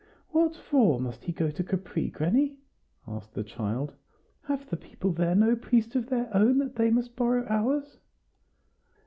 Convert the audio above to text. "What for must he go to Capri, granny?" asked the child. "Have the people there no priest of their own, that they must borrow ours?"